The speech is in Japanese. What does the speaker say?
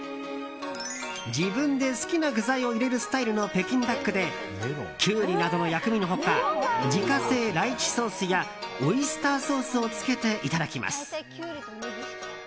自分で好きな具材を入れるスタイルの北京ダックでキュウリなどの薬味の他自家製ライチソースやオイスターソースをつけていただきます。